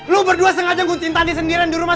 lo berdua sengaja ngunciin tandi sendirian di rumah